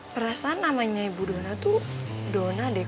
perasaan namanya ibu dona tuh dona deh